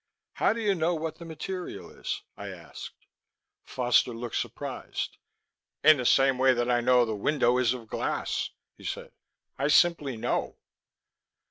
"How do you know what the material is?" I asked. Foster looked surprised. "In the same way that I know the window is of glass," he said. "I simply know."